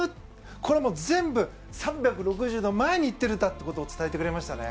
これは、もう全部、３６０度前に行ってるんだって事を伝えてくれましたね。